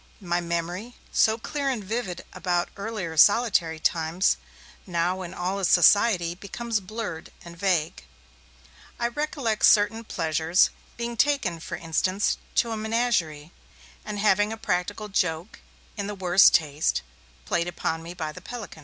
My memory, so clear and vivid about earlier solitary times, now in all this society becomes blurred and vague. I recollect certain pleasures; being taken, for instance, to a menagerie, and having a practical joke, in the worst taste, played upon me by the pelican.